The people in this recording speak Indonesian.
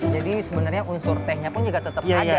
jadi sebenarnya unsur tehnya pun tetap ada ya